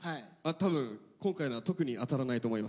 多分今回のは特に当たらないと思います。